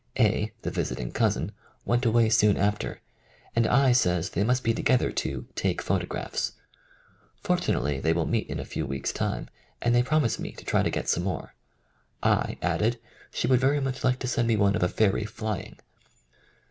A., the visiting cousin, went away soon after, and I. says they must be together to '* take photographs. '' Fortunately they will meet in a few weeks' time, and they promise 50 THE FIRST PUBLISHED ACCOUNT me to try to get some more. I. added she would very much like to send me one of a fairy flying.